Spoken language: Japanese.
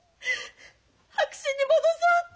白紙に戻そうって。